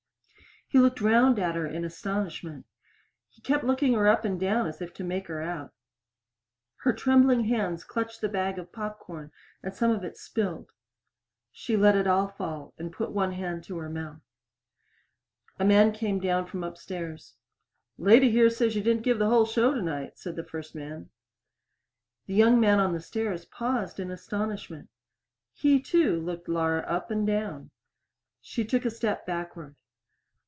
He looked round at her in astonishment. He kept looking her up and down as if to make her out. Her trembling hands clutched the bag of pop corn and some of it spilled. She let it all fall and put one hand to her mouth. A man came down from upstairs. "Lady here says you didn't give the whole show tonight," said the first man. The young man on the stairs paused in astonishment. He, too, looked Laura up and down. She took a step backward.